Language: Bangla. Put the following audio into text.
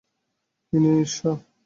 কী নিয়ে ঈর্ষা।